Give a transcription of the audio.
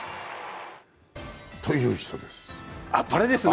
という人です。